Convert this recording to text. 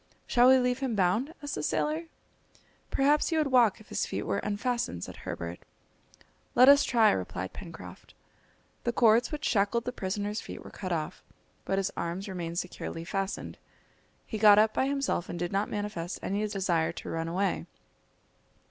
"Shall we leave him bound?" asked the sailor. "Perhaps he would walk if his feet were unfastened," said Herbert. "Let us try," replied Pencroft. The cords which shackled the prisoner's feet were cut off, but his arms remained securely fastened. He got up by himself and did not manifest any desire to run away.